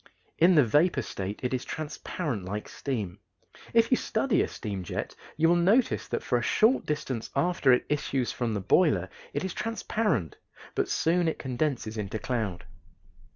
In the vapor state it is transparent like steam. If you study a steam jet you will notice that for a short distance after it issues from the boiler it is transparent, but soon it condenses into cloud.